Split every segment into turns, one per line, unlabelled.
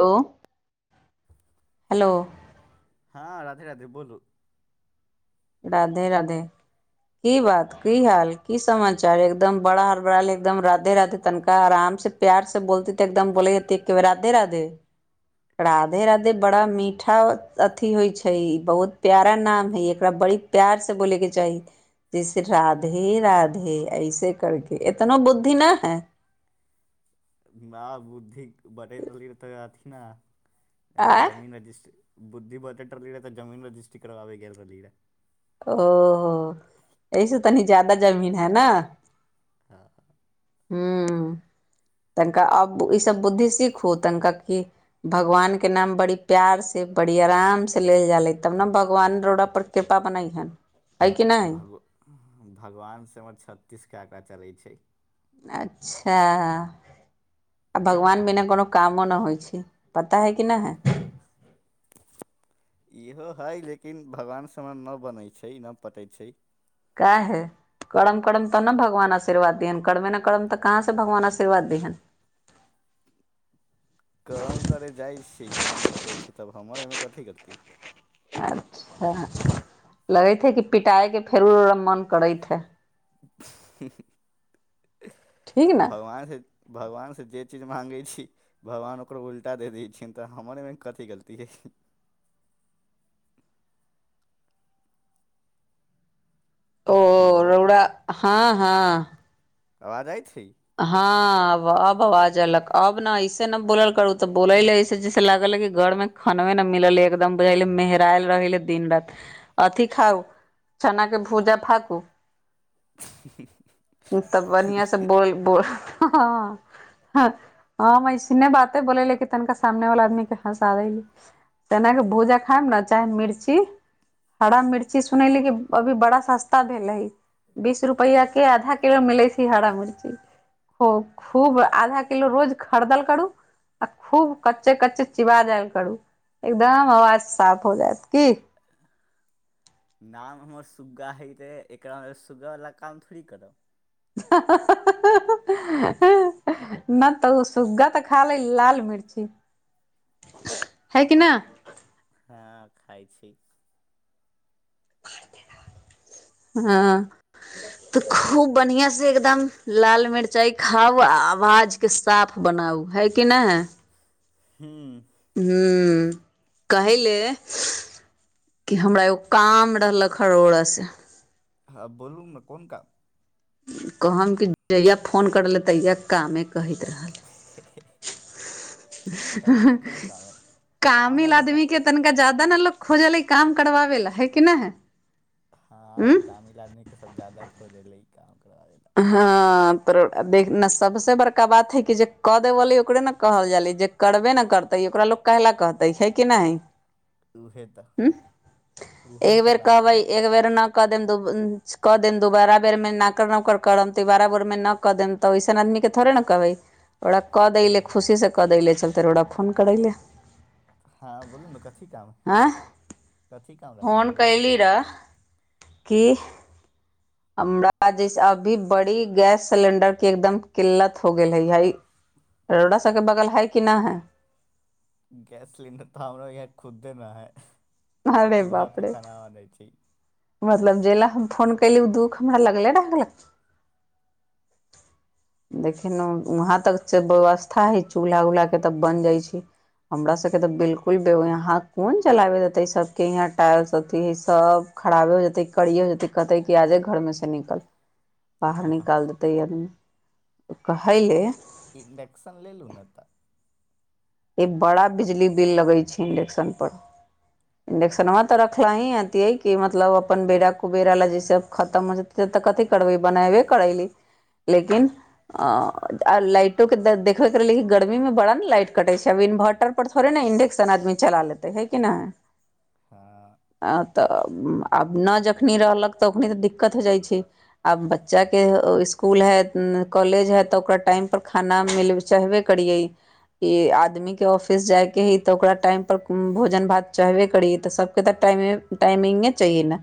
हो हेलो
हँ राधे राधे बोलू।
राधे-राधे। की बात, की हाल, की समाचार, एकदम बड़ा हरबड़ाल, एकदम राधे-राधे, तनिका आराम से प्यार से बोलतीे ते एकदम बोले जात के राधे-राधे राधे-राधे बड़ा मीठा अथि होइ छैय ई बहुत प्यारा नाम हय एकरा बड़ी प्यार से बोलैके चाही। जैसे राधे-राधे ऐसे करके एतनो बुद्धि ना है। [inaudible]
न बुद्धि बँटैत रहली तऽ अथी ने
आँय
जमीन रजिस्ट्र बुद्धि बटैट रहली रहै तऽ जमीन रजिस्ट्री करबाबे गेल रहली रहै।
ओ एहि से तनी ज्यादा जमीन है न हूँ। तनिका अब ई सब बुद्धि सीखु तनिका क भगवान के नाम बड़ी प्यार से बड़ी आराम से ले जा ले तब ने भगवान रोरा पर कृपा बनाई हन।
भग भगवानसँ हमर छत्तीस के आंकड़ा चलैत छैय।
अच्छा आ भगवान बिना कोनो कामो नहि होइ छैय पता है कि नहि है। [inaudible]
इहो हइ लेकिन भगवान सममे नहि बनैत छैय नहि पटैत छैय।
काहे कड़म करम तऽ ने भगवान आशीर्वाद दिहेन, कड़मे न करम तऽ कहाँ से भगवान आशीर्वाद दिहेन। [inaudible]
कड़म करे जाइ छी कांड हो जाइ छैयतब हमर एहिमे कथी गलती।
अच्छा लगैत हे कि पिटायके फेरो ओरा मन करैत है।
हूँ हूँ
ठीक न
भगवान से भगवान से जे चीज माँगै छी भगवान ओकरो उल्टा देऽ दै छियनि तऽ हमर एमे कथी गलती हई।
[inaudible] ओ
हेलो
रौड़ा हँ हँ
आवाज आय छी।
हब अब आवाज एलक अब ने ऐसे न बोलल करू तऽ बोल है ऐसे जैसे लागल है घर मे खनबे ने मिललै एकदम बुझाल मेहरायल रहे दिन रति अथि खाउ चना के भूजा फाकू, तब बढ़िआं से बोल। बोल हँ। ह हम आइने बाते बोलली, तनिका सामने वाला आदमी केऽ हँसा दैली। तनाकऽ भूजा खायब ने चाहे मिर्ची। हरा मिर्ची सुनैली, कि अभी बड़ा सस्ता भेल है। बीस रुपैआ के आधा किलो मिलै छै हरा मिर्ची। ह खूब आधा किलो रोज खरदल करू। आ खूब कच्चे-कच्चे चीबा जायल करू। एकदम आवाज साफ हो जायत की।
नाम हमर सुग्गा हइ रहै, एकरामें सुग्गावला काम थोड़ी करब।
हँ, हँ हं-हं। नहि तऽ ओ सुग्गा तऽ खा लै लाल मिर्ची। है कि ना।
हँ खइ छी।
हँ। तऽ खूब बढ़िआं से एकदम लाल मिरचाइ खाउ, आवाज के साफ बना। नाउ है कि ने।
हू।
हूं, कहिले। कि हमरा एगो काम रहलक हरोड़सँ।
हँ बोलू ने कोन काम।
कहम कि जहिया फोन करले तहिया कामे। कहैत रहल।
कहू कोन काम हइ काम
कामिल
लागी तऽ
आदमी के तनिका ज्यदा न लो। खोजलै काम करबाबे ला है कि नहि हे।
हँ कामिल ल आदमीे सब ज्यादा खोजैले काम। करबाबै ला
हँ। सबसे बड़का बात है कि, जे क देवले ओकरे ने कहल जाले जे करबे ने करते। ओकरा लोक कहेला कहते, है कि नहि
उहे तऽ
हइ। ह
उहे तऽ
एकबेर
बात
कहबै
हइ
एक बेर न। कऽ देम कऽ देब दुोबारा बेर में नाकर- नुकर। करम तीबारा बेरमे न कऽ देम, तऽ ओैसन आदमी के थोड़े ने कहबै। ओकरा कऽ देललै
हँ
खुशीसँ कऽ देलै, चलते ओकरा फोन करै लए।
हँ बोलू ने, कथी काम हय, कथी काम रह
फोन
लगै बोलू।
कैली रह की। हमरा जैस अभी बड़ी गैस सिलेंडर के एकदम किल्लत हो गेल है। ररोड़ा सबके बगल है कि नहि है।
गैस सिलिंडर तऽ हमरा इह खुदे नहि है।
अरे
चूल्हा
बाप
पे
रे
खाना बनै छै।
मतलब, जे लए हम फोन कयली ओ दुःख हमरा लगले रै। देखेेलहु वहाँ तक से व्यवस्था हइ चूल्हा-उल्हाके तब बनि जाइ छै। हमरा सबके तऽ बिलकुल बे यहाँ कोन चलाबे देते सबके यहाँ टायर्स सबके सब। खराबे हो जेतै, कड़ी हो जेत, कहतेै कि आजे घरमें से निकल। बाहर निकाल देते इ आदमी, कहैले।
इंडक्शन लेलु न तऽ।
एक बड़ा बिजली बिल लगै छै इंडक्शनपर। इंडक्शनवा तऽ रखलही हतियै कि मतलब अपन बेरा कुबेरा लए जैसे खतम हो जेत- तऽ कथी करबै? बनयबे करयली। लेकिन अ लाइटो के देखबे करहली गर्मीमे बड़ा ने लाइट कटैत छै। आब इन्भर्टर पर थोड़े न इन्डक्शन आदमी चला लेतै, हइ कि नहि।
हँ
अ तऽ आब नहि जखनी रहलक तऽ ओखनी तऽ दिक्कत हो जाइ छै। आब बच्चा के ओ इसकुल है, कॉलेज है, तऽ ओकरा टाइम पर खाना मिल चाहबे करियै। इ आदमीके ऑफिस जायके हइ, तऽ ओकरा टाइम पर उम्म भोजन-भात चाहबे करियै, तऽ सबके तऽ टाइम टाइमिंगे चाहियै ने,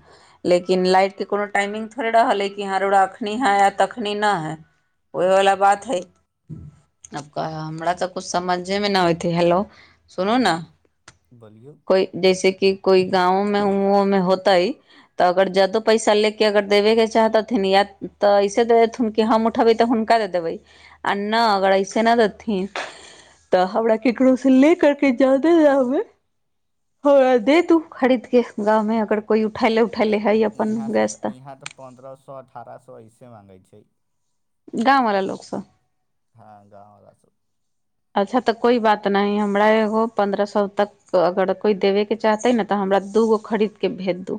लेकिन लाइट के कोनो टाइमिंग थोड़े रहलै कि रउरा अखनी हइ तखनी न हइ, ओहे वला बात हइ। आब कहे हमरा तऽ कुछ समझे मे न होइते। हैेलो, सुनू न,
बोलियौ
कोइ जैसे कि कोई गांवोमे उंओमे होतइ, तऽ अगर जादो पैसा ले के अगर देबे के चाहतथिन या तऽ ऐसे दे देथुन कि हम उठेबै तऽ हुनका दे देबै आ ना अगर ऐसे नहि देथिन तऽ हमरा ककरोसँ लेेक करके जादे दाममे हमरा दे दू खरीदके गाँव में अगर कोइ उठाय ले
ईहाँ से तऽ ईहाँ तऽ पन्द्रह सौ अठारह सौ ऐसे मांगैत छै।
गाँववला लोकसभ?
हँ, गाँववला सभ।
अच्छा, तऽ कोइ बात नहि। हमरा एगो पन्द्रह सौ तक अगर कोइ देबयके चाहतै ने तऽ हमरा दूगो खरीद के भेज दू।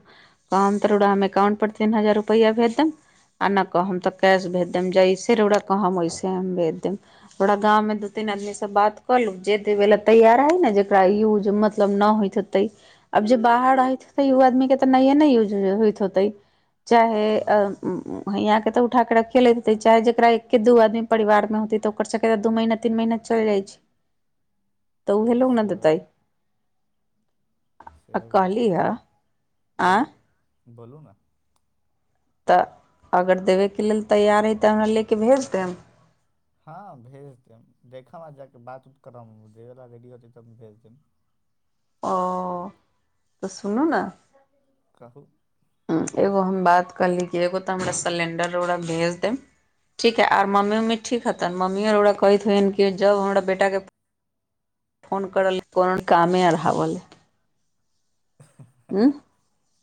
कहम तऽ रउरा हमे एकाउंट पर तीन हजार रुपैआ भेज देम। आ नहि कहब तऽ कैश भेज देम। जैसे रउरा कहम, ओइसे हम भेज देम। हमरा गाँवमे दू तीन आदमी से बात कऽ लू। जे देबे ला तैयार हइ ने जेकरा यूज मतलब न होइत हेतै अब जे बाहर रहैत होतै, ओ आदमीके तऽ नहिए ने यूज होइत होतै। चाहे अह
हँ
उम्म हैंया के तऽ उठा के रखे लैत हेतै, चाहे जेकरा एक्के दू आदमी परिवार मे होतै, तऽ ओकर सबके तऽ दू महिना तीन महिना चलि जाइ छै, तऽ उहे लोग ने
सेहो
देतै। आ
सेहो बात
कहली
हइ
ह आँ
बोलू बोलू ना।
तऽ अगर देबयके लेल तैयार हइ तऽ अहाँ ले के भेज देम।
हँ, भेज देम। देखब आ जाके बात-उत करम। ऊ देबे ला रेडी होतै तब हम भेज देम।
ओ तऽ सुनू ने
कहू।
एगो हम बात कहली कि एगो तऽ हमरा सिलेण्डर रउरा भेज देब ठीक हइ। आर मम्मी-उम्मी ठीक हेतन मम्मीओ रउरा कहैत हतिन कि जाउ हमरा बेटाके फोन करय ले, कोनो कामे अढ़ावले। उम्म?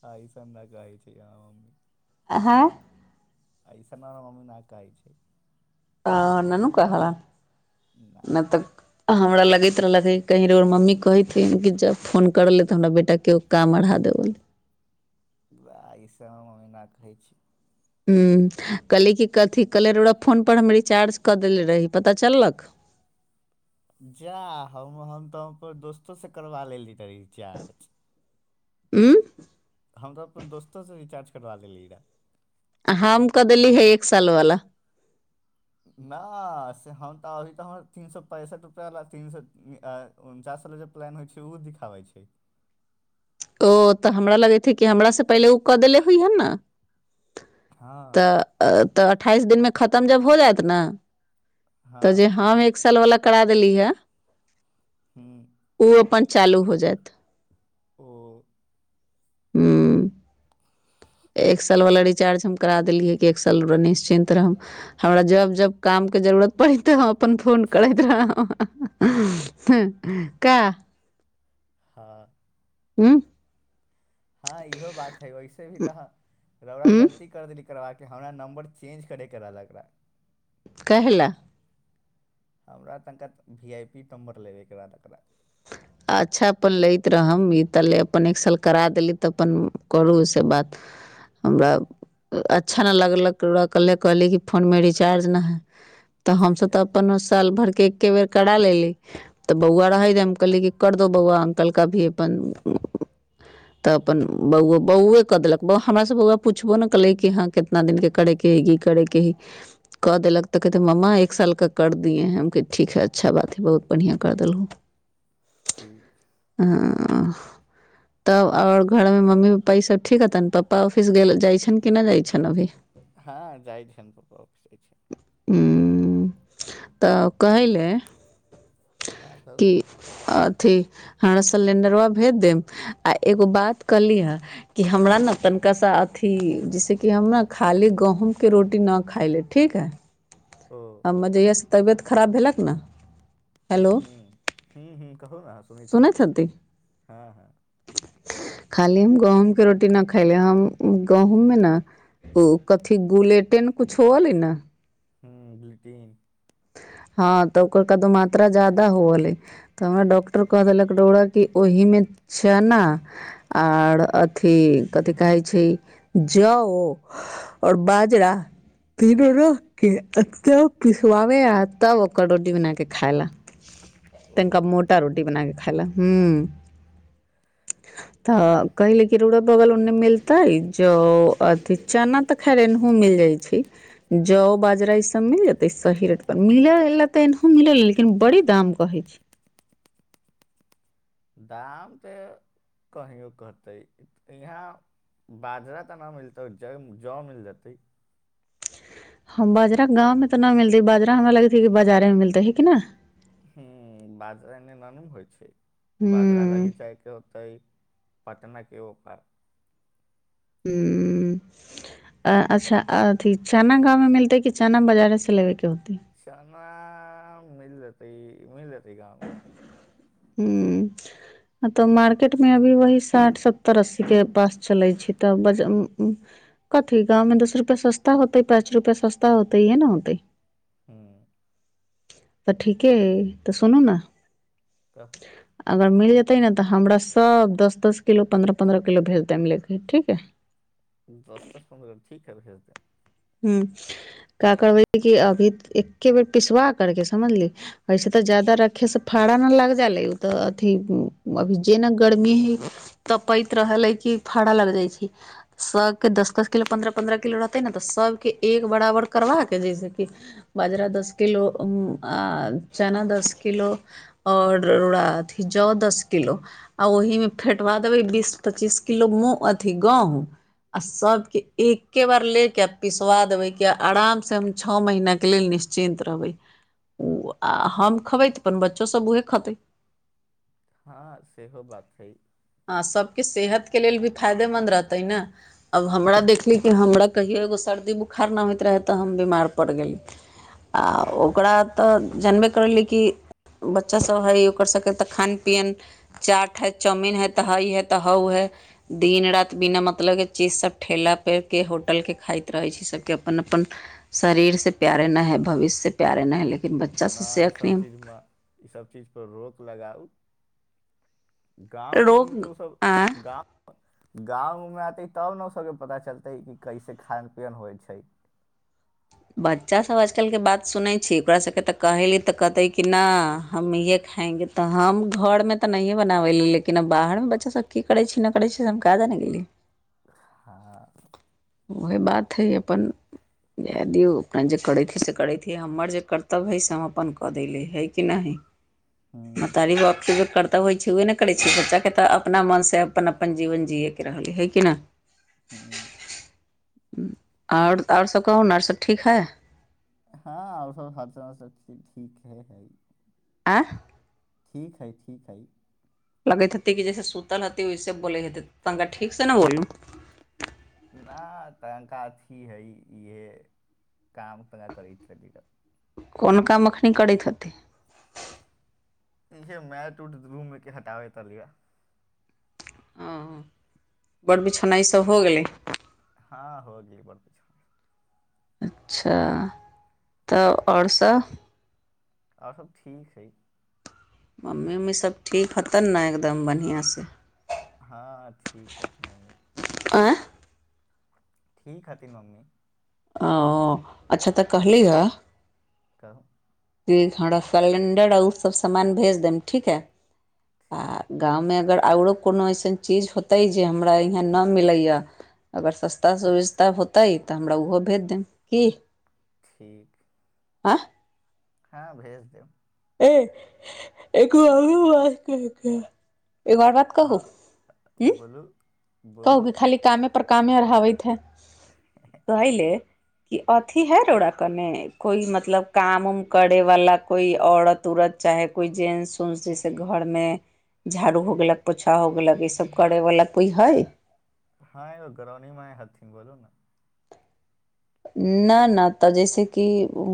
आ अइसन नहि कहैत छै आ हम।
हाँए
अइसन हमरा मम्मी नहि कहै छै।
हँ ननू कहला?
ना
नहि तऽ हमरा लगैत रहले हे कहीं रउरा मम्मी कहैत होइन कि जब फोन करले तऽ हमरा बेटा के एगो काम अढ़ा दे [unintelligible]
उएह इसभ हमर मम्मी ना कहै छै।
ह्म। कहली कि कथि कहलियै रउरा फोन पर हम रिचार्ज कऽ देेले रही। पता चललक? [unintelligible]
जाह हम, हम तऽ अपन दोस्तोसँ करबा लेली ते रिचार्ज।
हूं।
हम तऽ अपन दोस्तोसँ रिचार्ज करबा लेलियै रहए।
हम क देली हे, एक सालवाला।
नऽ, से हम त तऽ हमर ती सौ पैसठि रूपआ वाला तीन सौ उन्नचा। जे प्लान होइ छै, ऊ दिखाबै छै।
ओ तऽ हमरा लगै छैे, कि हमरा से पहिले ऊ कऽ देेलै होइ हे न।
हँ
तऽ तऽ अठाइस दिन में खतम जब हो जायत ने। तऽ जे
हँ
हम एक साल वाला करा देली हे।
हूँ
ओ अपन चालू हो जायत।
ओ।
हूं। एक साल वाला रिचार्ज हम करा देलियै, कि एक साल निश्चिन्त रह हमरा जब-जब काम। जरूरत पड़ैत अपन फोन करैत रहब हँ, हँ का।
हँ।
हूं।
हँ इहो बात है, वैसे भी तऽ रौआ
उँ
गलती कर देली। करबा के हमरा नंबर चेंज करे, रहल एकरा।
काहेला।
हमरा तनिका, भी आइ पी, नम्बर लेबै एकरा।
अच्छा अपन लैत रहम, ई तले अपन एक साल करा देली तऽ अपन करू ओसँ बात। हमरा अच्छा नहि लगलक, ओकरा कल्हे कहली कि फोन में रिचार्ज नहि हइ। तऽ हमसभ तऽ अपन साल भरके एके बेर करा लेली, तऽ बौआ रहे न हम कहली कि। कर दो बौआ, अंकल का भी अपन। तऽ अपन बौआ, बौए कऽ देलक हमरा सब बौआ पुछबो ने कलै कि हँ कितना दिन के करे। कह गी करे केहि। कऽ देलक तऽ कहैतै, मम्मा एक सालके करि दियै है, हम कही ठीक हइ अच्छा बात हइ बहुत बढ़िआँ कर दलहुँ।
ठीक
आ। तब ओर घर में मम्मी-पप्पा ई सब ठीक हतनि, पप्पा ऑफिस जाइ छनि कि नहि जाइ छनि अभी।
हँ, जाइ छियनि पप्पा आँफिस।
हूं, तऽ कहय ले।
हँ कहू ने
की अथि। हमरा सिलेंडरबा भेज देब, आ एगो बात कहली हे कि हमरा ने तनिका सा अथ। अथी जैसेकि हम ने खाली गहूँमके रोटी न खाइ ले। ठीक हइ,
ओ
हम्मे जहिया से तबियत खराब भेलक ने। हेलो
हूं, हूं हूं, कहू ने सुनै छि,
सुनैत हती
हँ हँ।
खाली हम गहुँम के रोटी न खायले, हम गहूँम में न। ओ कथी गुलेटेन, कुछो अलै ने।
हू, गुलिटीन।
ह। हँ तऽ ओकर कद मात्रा ज्यादा होअलै, तऽ हमरा डॉक्टर क देलक डोड़ा के ओहि में। चना आर अथी, कथि कहै छै जओ। और बाजरा तीनो रंग के अत्य प। खुआबै आ तब ओकर रोटी बनाके खाइ लए, तनिका
ओ
मोटा रोटी बनाक। हूं। त कहिले कि रुड़ो बगल उन्ने मिलतै जो अथि चना त खैर इनहुं मिल जाइ छै, जौ बाजरा ई सब मिल जैत सही रेट पर, मिले लै त एनहु मिलले लेकिन बड़ी दाम कहै छै। [unintelligible]
दाम त कहियो कहतै यहाँ बाजरा त नै मिलतै जौ मिल जेतै।
हं बाजरा गाँव मे त नै मिलतै, बाजरा हमरा लागैत कि बाजारे में मिलतै है कि न।
हुं बाजरा एन्ने ना ने होइ छै, बाजरा
हूँ
लागि जायके होतै पटना के ओइ पार
हुं उं अ अच्छा अथि चना गाँव में मिलतै कि चना बाजारे से लेबे के होतेै।
चान मिल जेतै मिल जेतै गाँव मे।
हुं त मार्केट मे अभी वह साठ सत्तर अस्सी के पास चलै छै। त कथि गाँव में दस रुपआ सस्ता होतै पाँच रुपआ सस्ता होतेै या न होतै।
हुं।
त ठीके हइ त सुनु ने।
कहु।
अगर मिल जेतै ने त हमरा सब दस दस किलो पन्द्रह पन्द्रह किलो भेज देै मिलैके, ठीक ह।
दस दस पन्द्रह कि करबै?
हुं, का करबै कि अभी एके बेर पिसवा करके समझली ऐसे त जा रखे से फड़ा न लाग जेलै उ त अथि अभी जेना गर्मी है तऽ पै रहल है कि फाड़ा लग जाइ छै, सब के दस दस किलो पन्द्रह पन्द्रह किलो रहतै ने त सभके एक बराबर करबाके जैसे कि बाजरा दस किलो आ चना दस किलो और अथि जौ दस किलो आ ओहि में फेटवा देबै बीस पच्चीस किलो मुँह अथी गेहुँ आ सबके एके बार लेट के पिसवा देबै किए आरामसँ हम छओ महीनाके लेल निश्चिन्त रहबै। ओ आ हम खयबै त अपन बच्चो सभ उएह खेतै।
हँ सेहो बात छै।
आ सबके सेहत के लेल भी फायदेमन्द रहतै ने, अब हमरा देखली कि हमरा कहियो एगो सर्दी बोखार नहि होइत रहै त हम बीमार पड़ि गेली। आ ओकरा त जनबे करलियै कि बच्चा सभ है य ओकर सब के त खान पियन, चाट है चाउमीन है त हाई है त हाउ है दिन रात बिना मतलब के चीज सब ठेला परके होट होटल के खाइत रहे छै, सबके अपन अपन शरीर से प्यारे न है भविष्य से प्यारे न है लेकिन बच्चा सबसे
नहि ईसभ
अखनी
चीजमे, ईसभ चीज पर रोक लगाउ। गाँव उं मे त
रोग
ओ सब,
आँय
गाँव, गाँव ओते तब ने ओकर सबके पता चलतै कैसे खान पियन होइ छै।
बच्चा सब आजकल के बात सुनै छै, ओकरा सबके त कहैये त कहतै कि ना हम ये खा येंगे त हम घर में त नहिये बनाबली लेकिन बाहर मे बच्चा सब की करै छै नहि करै छै से हम कि जान गेली। [unintelligible]
हँ
वैह बात है अपन जाय दियौ अपन जे करैत हइ से करैत है, हमर जे कर्तव्य हइ से हम अपन क देले हो कि नहि [unintelligible]
हम्म,
महतारी के कर्तव्य होइ छैे उहे ने करै छै, बच्चा के तऽ अपना मन से अपन- अपन जीवन जियए। रहल है कि नहि।
हूं।
आओर, आओर सभ कहू न आओर सभ ठीक है।
हँ आओर सब, हाल समाचार सब ठीक हे है।
आंह।
ठीक हइ, ठीक हइ।
लगैत हेतै, कि जैसे सुतल हतै ओैसे बोलैत हेते, तनिका ठीक से ने बोलू।
ना तहंका अथी हइ, इहे काम त करैत रहली।
कोन काम अखनी करैत हतै।
इहे मैट- उट रूमके हटाबैत रहल लिय।
हं, बड़ बिछौना इसभ हो गेलै।
हँ हो गेल बड़ बिछौना।
अच्छा तऽ आओर सभ।
आओर सभ ठीक हैय।
मम्मी उम्मी सभ ठीक हैतन ने एकदम बढ़िआँ से।
हँ ठीक है तऽ मम्मी।
आँय
ठीक हथिन मम्मी।
ओ अच्छा तऽ कहलियी हए।
कहू।
जे हमरा सेलेंडर आ ओ सभ सामान भेज देब, ठीक हइ। आ
ठीक
गाँवमें अगर। आओरो कोनो अइसन चीज होतै, जे हमरा यहाँ नहि मिलैए। अगर सस्ता-सुभिस्ता होतै तऽ हमरा ओहो भेज देब, की।
ठीक।
आँ।
हँ भेज देब।
ए एको बात कहि के। एगो आओर बात कहू,
हाँ
हूं,
बोलू
कहू
बोलू
कि खाली कामे। पर कामे अराहबैत है, तैले। क अथि है रओरा कने, कोई मतलब काम-उम करे वाला कोइ औरत -ऊरत। चाहे कोइ जेंस- उंस जैसे घरमें। झाड़ू हो गेलक, पोछा हो गेलक, ईसभ करयवला कोइ हइ।
हँ यो घरनी माय हथीन बोलू ने।
न नहि तऽ जैसे कि उ।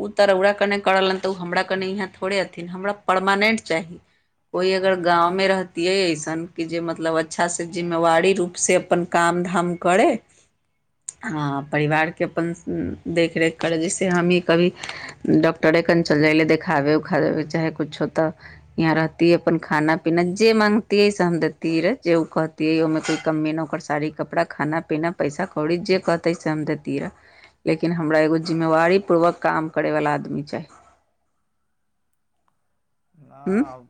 ऊ तऽ रौरा कने करलन तऽ ओ हमरा कने यहाँ थोड़े अथिन, हमरा परमानेंट। चाही, कोइ अगर गाँंव मे
अच्छा
रहतीयै। म जे मतलब, अच्छा से जिम्मेवारी रुप से अपन काम-धाम करै। आ परिवार के अपन देखरेख करै, जैे हमी कभी डॉक्टरे। न चल जाइले देखाबे-उखावै, चाहे कुछ हो तऽ यहाँ रहतीय अपन खाना- पीना जे मा। तिये से हम देतिय रे, जे ओ कहतिये ओहि में कोई कमीयो न ओकर साड़ी, कपड़ा, खाना-पीना पैसा। आौड़ी जे कहतै से हम दैतिय। लेकिन हमरा एगो जिम्मेवारी पूर्वक काम करैवला आदमी चाही। [unintelligible] हूँ
न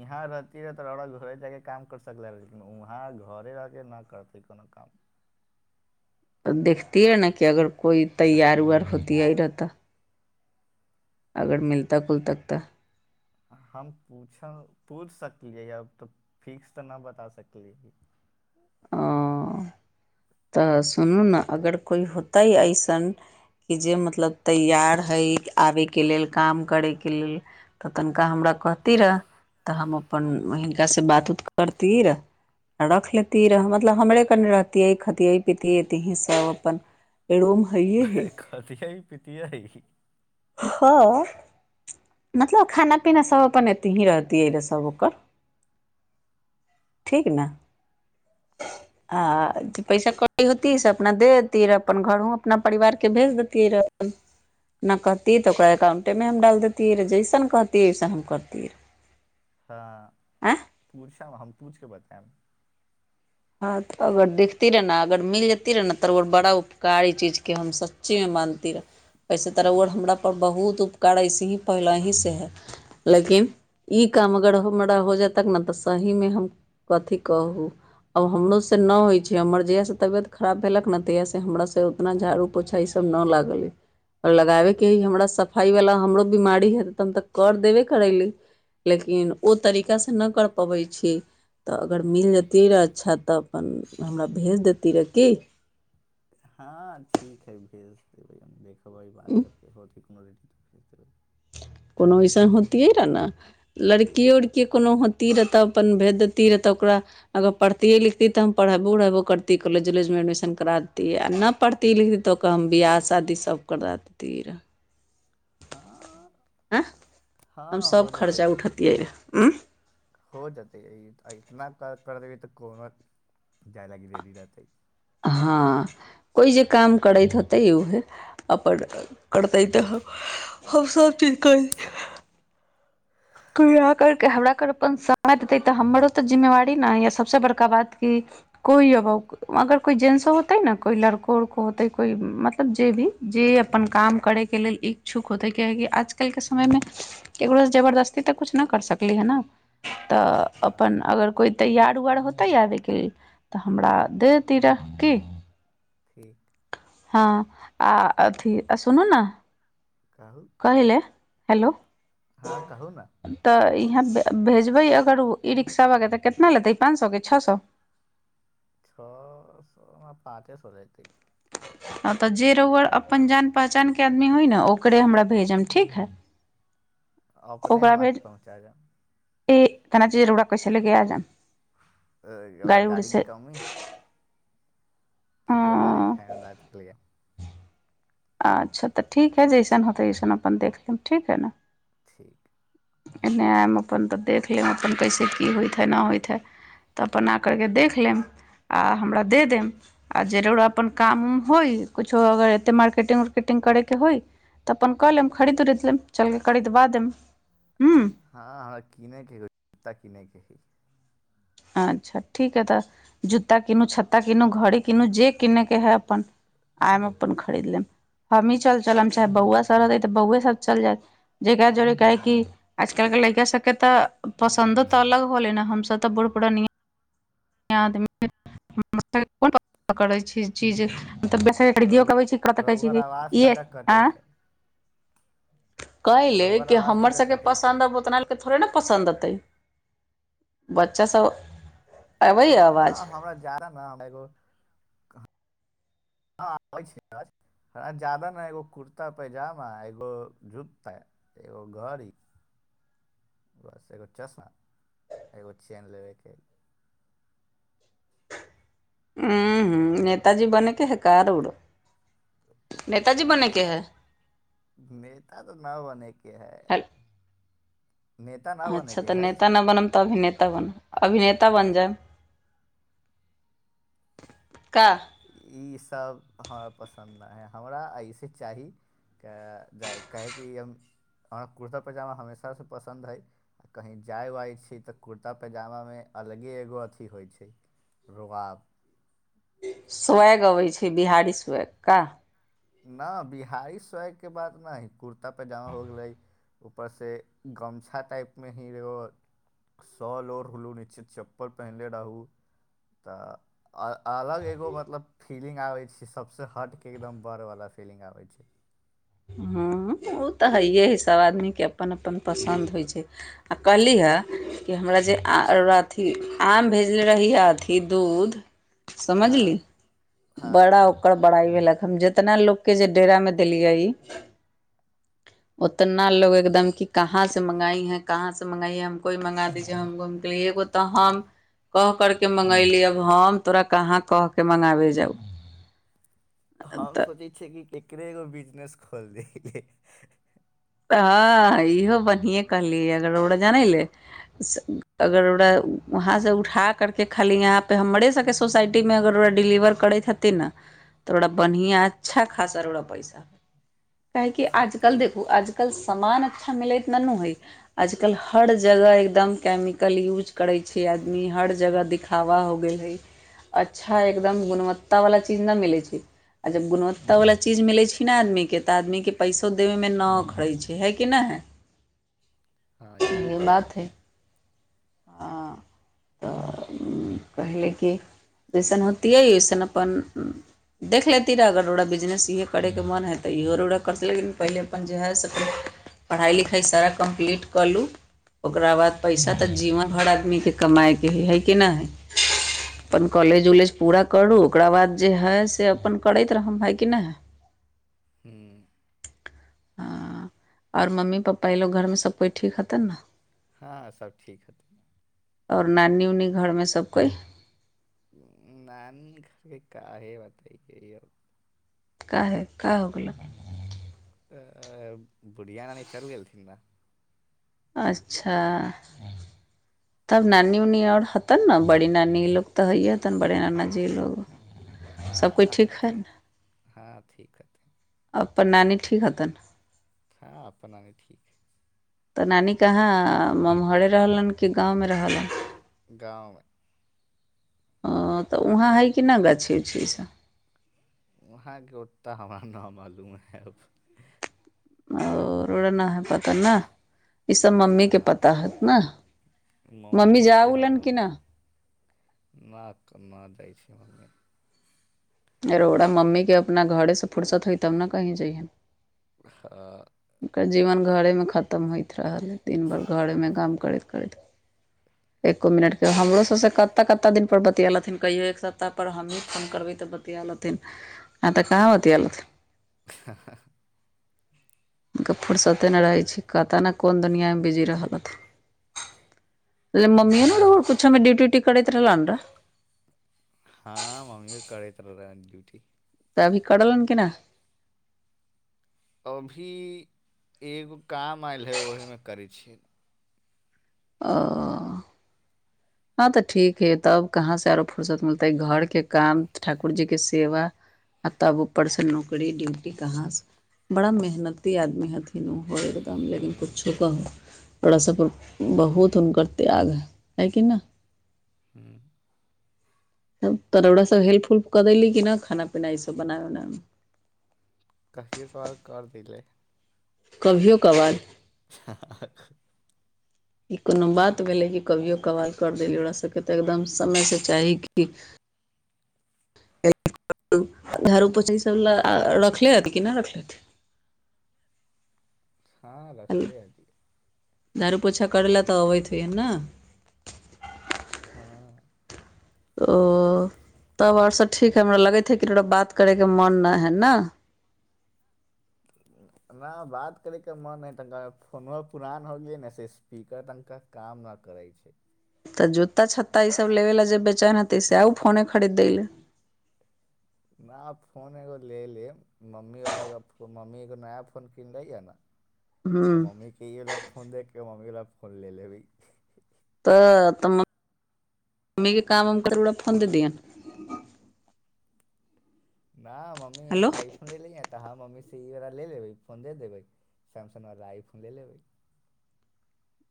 यहाँ रहती रहै, तो घरे जाके। काम कर सकले, लेकिन वहाँ घरे रहके न करते कोनो काम।
देखतीयै ने कि अगर कोइ तैयार-उयार होतीय रह तऽ। अगर मिलत कुल तक तऽ।
हम पूछब, पूछ सकलियै अब तऽ ठीक स तऽ नहि बता सकलियै।
ओ। तऽ सुनू ने अगर कोइ होतय अइसन। कि जे मतलब तैयार हइ आबयके लेल, काम करैके लेल तऽ तनिका हमरा। कहती र, तऽ हम अपन हिनका से बात-उत करती र, रख लेती। रह मतलब हमरे कने रहतियै, खतियै-पतिये एतहीं सब अपन। रूम हैए हइ
खतिय-पीतिय।
हँ। मतलब, खाना-पीना सभ अपन एते ही रहतियै रहऽ सभ ओकर। ठीक ने। आ जे पैसा कत्ते होती से अपना दे देतिय र, अपन घरो अपना परिवार के भेज देतियै र। ह। नहि कहतियै तऽ ओकरा एककाउंटेमे हम डाल दैतियै रहै, जैसन कहतियै वैसन हम करितियै रहए।
हँ, पूछम हम, पूछिके बतैब।
अगर देखती रहे ने, अगर मिल जती रहै ने तऽ बड़ा उपकार ई चीजके हम सच्ची में मानती र। उइसे तऽर हमरापर बहुत उपकार अइसे ही पहिले ही सँ हए लेकिन। ई काम अगर हमरा हो जेतक ने तऽ सही में हम कथी कहू। आब हमरो से न होइ छै, हमर जहिया से तबियत खराब भेलक ने तहिया से हमरा से उतना झाड़ू- पोछा ई सब। न लागै अइ, लगाबै के अइ हमरा
अच्छा
सफाई वाला। हमरो बीमारी हे त हम तऽ कर देबे करैली। लेकिन ओ तरीकासँ नहि कर पबै छीयै, तऽ अगर मिल जेती रहए। अच्छा तऽ अपन, हमरा भेज देती रहऽ की।
हँ ठीक है भेज देबै हम, देखबै बात करके होते कोनो ले।
[unintelligible] कोनो अऐसन होतियै रहए न, लड़कियों -उड़की कोनो होती रह तऽ अपन भेज देती रह तऽ ओकरा। अगर पढ़ती-लिखती त हम पढ़बों- उढ़ेबो करती कॉलेजों -उलेजों में एडमिशन करा दैतिय, न पढ़ती। प लिख दी तऽ ओकरा हम बियाह-शादी सभ करा देती रहऽ।
हाँ
आँ, हम
हाँ हो
सभ
जेतै
खर्चा उठैतियै रहए।
हो जेतै, इतना कर दे तऽ कोनो। जाय लागि रेडी रहतै।
हँ कोइ जे काम करैत होतै, उहे अपन करतै तऽ हम सभ ची। त कहल। किया करके, हमरा कर अपन समय देते तऽ हमरो ते जिम्मेवारी ने य सबसे बड़का बात की। कोइ अबो, अगर कोइ जेंस होतै ने कोइ लड़कों-उड़को होतै कोइ मतलब जे भी। जे अपन काम करे के लेल इच्छुक होते, कियाकी आजकल के समय में केकरो से जबरदस्त। तऽ कुछ न कर सकली है न। तऽ अपन
हँ
अगर कोइ तैयार-उयार होतै आबैके लेल तऽ हमरा देती र। की।
ठीक।
हँ आ अथि सुनु ने,
कहू
कहिले। हेलो।
हँ कहू ने।
यहाँ भेजबै अगर ओ, ई रिक्शा बला तऽ, कितना लेतै पाँंच सए के छओ सए?
छ सो, ओना पाँचे सो लेतै।
[unintelligible] हँ तऽ, जे रोअड़ अपन जान पहचानके आदमी होय ने, ओकरे हमरा भेजम, ठीक हइ। [unintelligible]
अपने हम अहाँकेँ पहुँचा जायब।
ए केना चीजर उड़ा कैसा लग आ जाम [unintelligible]
ए हमरा
उड़ी
गाड़ी
से
के कमी हे। ककरो गाड़ी
अं
उठायमे दादके लिए।
अच्छा तऽ ठीक है, जैसन होतै ओसन अपन देख लेब, ठीक है ने।
ठीक।
एन्नेऽ आयब अपन तऽ देख लेब, अपन कइसे की होइत हइ, ना होइत हइ। तऽ अपन आ कर केऽ देख लेब। आ हमरा दे देम, आ जरूर अपन काम उम होइ, कुछो अगर एते मार्केटिंग उर्केटिंग। करै के होइ, तऽ अपन क लेब खरीद -उरीद लेब चल कर खरीदबा देम।
हँ हमरा किनेके ह, जुर्ता कीनय के है।
अच्छा ठीक है, तऽ जूता कीनू, छत्ता कीनू, घड़ी कीनू, जे कीनैके है अपन आयम अपन खरीद लेब। हमही चल चलब चाहे, बौआ सब रहते तऽ बौए सब चल जायत, जेकरा जोड़े काही आजकल के लैका सबके तऽ, पसन्दो तऽ अलग होले ने, हमसब तऽ बूढ़ पढ़ानिया कोन पकड़ै छै चीज। [unintelligible] तब बेस
रौआ
खरीदियोके अबै छी कपड़ा कहै छी
रौआर
जे
आवाज
इहे
तनिका
ए
कटैत हइ
कह ले
रौआर
कि
आवाज
हमर
तनिका
सभके
कटैत छै
पसन्द, अब ओतनाालके थोड़े ने पसन्द अतै। बच्चास सभ।
हँ नहि, हमरा जारा न हमरा एगो हँ आबै छी आज जादा ने, एगो कुर्ता -पैजामा एगो जूता! एगो घड़ी। बस एगो चश्मा एगो चैन लेबैके है।
हुँ, हुँ,
हेलो
एत जे बनै के है, काड उड नेताजी बनयके
नेता
हइ?
नेता तऽ न बनेके है।
हेल
नेता न बने
अच्छा
के
तऽ
है
नेता न बनम तऽ अभिनेता। तऽ अभिनेता बइन जेब। का।
त हमरा पसन्द नहि हइ, हमरा अइसे चाही। तऽ जाइ, कहै कि हम। हमरा कुर्ता -पयजामा हमेशासँ पसन्द हइ, आ कही जाय आइ छी तऽ कुर्ता पयजामामे। अलगे एगो अथी होइ छै, रुआब!
स्वेग अबै छै, बिहारी स्वेग का।
ना, बिहारी स्वयके बात नहि है, कुर्ता पैजामा हो गेलै। ऊपरसँ गमछा टाइपमे ही रहयो। सोल ओरलू, नहि चप्पल पहिनने रहू, तऽ आओ अलग एगो मतलब फीलि्ंग आबै छै, सबसँ हटके एकदम। बरवला फीलि्ंग आबै छै।
हँ, ओ तऽ हइए हइ। सभ आदमीके अपन अपन पसन्द होइ छै। आ कहली ह कि हमरा जे आम रउरा अथि आम भेजने रही आ अथि दूध
हँ
समझली?
हँ
बड़ा ओकर बड़ाइ भेलक। हम जेतना लोकके जे डेरा मे देलियइ उतना लोग एकदम कि कहाँ से मंगाई हैं कहाँ से मंगाई हैं? हमको ही मंगा दीजिए हमको। हम कहलियै हे तऽ हम कह करके मंगयली अब हम तोरा कहाँ कहके मंगाबे जाउ।
हम
तऽ
सोचै छियै कि एकरे एगो बिजनेस खोलि दैके।
तऽ इहो बढ़ियेँ कहलि अगर रउरा जानैले अगर रउरा वहाँसँ उठा करि कऽ खाली यहाँपे हमरे सभके सोसाइटीमे अगर रउरा डिलीवर करैत हथिन ने तोरा बन्हिआँ अच्छा खासा रउरा पैसा हइ। काहेकि
हते
आज-कल देखू आज कल सामान अच्छा मिलैत ननू हइ। आजकल हर जगह एकदम केमिकल यूज करै छै आदमी। हर जगह दिखाबा हो गेल हइ। अच्छा एकदम गुणवत्ता वला चीज न मिलै छै। आ जब गुणवत्ता वला चीज मिलैत छै ने आदमीके तऽ आदमीके पैसो देबे मे न अख- रै छै। हइ कि नहि हइ?
हँ इहो
इहे बात हइ। हँ तऽ उम्म कहली कि जैसन होतियै ओइसन अपन देख लेती रहे अगर रउरा बिजनेस इहे करयके मोन हइ तऽ इहो रचरा करतै, लेकिन पहिले अपन जे हय से अपन पढ़ाइ-लिखाइ सारा कम्प्लीट कऽ लू, ओकरा बाद पैसा तऽ जीवन भर आदमीके कमायके हइ। हइ कि न हइ? अपन कॉलेज-उलेज पूरा करू, ओकरा बाद जे हइ से अपन करैत रहम। हइ कि न हइ? [inaudible]
ह्म।
हँ, और मम्मी पप्पा ई लोग घरमे सब कोइ ठीक हतन न
हँ, सब ठीक हथिन।
और नानी-उनी घरमे सब कोइ?
नानी घरके काहे बतइयै ई अर
काहे? का हो गेलऽ?
अह बुढ़िया नानी चल गेलखिन न।
अच्छा। तब नानी-उनी आओर हतन न? बड़ी नानी ई लोग तऽ हैए हेतन बड़े नाना जी लोग। सब कोई
हँ,
ठीक है
हथिन।
न
हँ, ठीक हइ।
अपन नानी ठीक हतन?
हँ, अपन नानी ठीक हइ।
तऽ नानी कहाँ, ममहरे रहलन कि गाँवमे रहलन?
गाँवमे।
ओ, तऽ उहाँ हइ कि नहि गाछी-उछी ईसभ?
वहाँ के ओत्ता हमरा न मालूम हय अब।
ओ, रउरा ना हइ पता, नै? ईसब
ना
मम्मीके पता हैत न? मम्मी जा
के
उ
हाँ
लेन कि
मम्मी
न?
ना तऽ ना जाइ छै मम्मी।
रउरा मम्मीके अपना घरेसे फुरसत होइ तब न कहीं जइहेँ।
हँ।
ओकर जीवन घरेमे खत्म होइत रहलै। दिन भर घरेमे काम करैत करैत। एको मिनटके हमरो सबसे कत कत दिन पर बतिये लथिन कहियो एक सप्ताह पर हमहीँ फोन करबै त बात या लथिन नै त कहां बतिया लथिन
ह ह ह ह
हुनका फुरसते नै रहै छै, कत ने कोन दुनिया मे बिजी रहल हथिन। ओयजा मम्मीए न रहै कुछो मे ड्यूटी उटी करैत रहला नै
हां मम्मियों करैत रहले हे ड्यूटी
त अभी करलन की ना
अभी एगो काम आएल हय ओहीमे करै छै।
ओ हां त ठीक है तब कहाँ से आरो फुर्सत मिलतै घर के काम ठाकुर जी के सेवा आ तब ऊपर से नौकरी ड्यूटी कहाँ से, बड़ा मेहनती आदमी हथिन ऊ ओ एकदम लेकिन किछो कहो तोरा सब पर बहुत हुनकर त्याग है, है कि नै
हुं।
तब तोड़ा सब हेल्प उल्प क देली कि न खाना पीना ई सब बनाबे उनाबे मे
कभी कभार क देलै
कभियो कभार
[unintelligible]
ई कुनु बात भेलै कि कभियो कभार कर देलियै, तोरा सबके तऽ् एकदम समय से चाही कि की एक और उ झाड़ू पोछा ई सब लए आ रखले हैत कि न रखले हैत।
हां रखले हैत।
झाड़ू पोछा करय ल त अबैत है न
हाँ
ओ। तब और सभ ठीक है हमरा लगैत हो कि तोरा बात करयके मोन नहि हइ ने। [inaudible]
ना बात करे के मन है तनिका फोनो पुरान हो गेले ने से स्पीकर तनिका काम न कर। करै छै।
त जूत्ता छत्ता ईसभ लेबय लए जे बेचैन हेतै से आ ओ फोने खरीदै लए।
नया फोन एगो ले लेब मम्मीवला एगो मम्मी एगो नया फोन किनले है ने। त
हूँ
मम्मी के इवला फोन दे क मम्मी वला फोन ले लेबै।
त तम। मम्मीके काम उम करैवला फोन दे दिहन।
न मम्मी
हेलो
आइ फोन ले लेय त हम। मम्मी से ई व ले लेबै फोन देबै सैमसंग वला आइ फोन ले लेबै।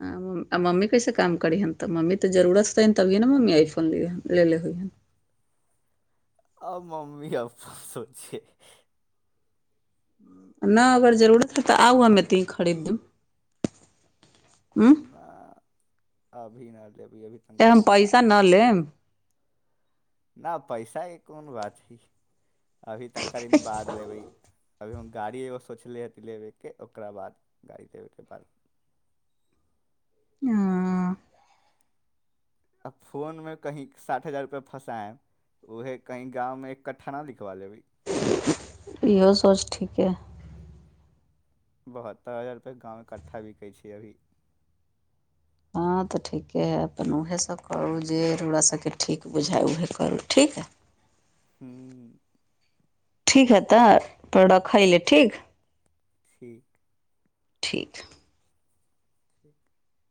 हुं। आ मम्मी कैसे काम करीहेन त मम्मी त जरूरतै छैन तभिए ने मम्मी आइफोन ले लेे होइ हन। [inaudible]
आब मम्मी आब सोचिये छै।
न अगर जरूरत है त आउ हमे एतै खरीद दैव।
न अभी न लेब।
त हम पैसा न लेब।
नहि पैसाके कोन बात हइ अभी तनिका दिन बाद लेबै। अभी हम गाड़ी एगो सोचले लेबेके ओकरा बाद गाड़ी लेबैके बाद।
हुं।
आ फोनमे कहि साठ हजार रुपैआ फँसाएब। ओहे कहि गाँंव मे एक कठा ना लिखवा ले भै।
[unintelligible] इहो सोच ठीके है।
बहत्तर हजार रुपैए गाँवमे कट्ठा बिकै छैय अभी।
हँ तऽ ठीके हइ अपन उएह सभ करू जे रउरा सभके ठीक बुझायइ उएहे करू ठीक हइ। [inaudible]
हूँ।
ठीक है तऽ प्रोडक खइले ठीक।
ठीक।
ठीक।
[inaudible]